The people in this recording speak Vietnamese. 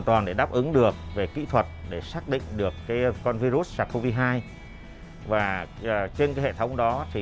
toàn để đáp ứng được về kỹ thuật để xác định được cái con virus sars cov hai và trên cái hệ thống đó thì